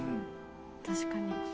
確かに。